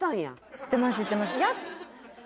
知ってます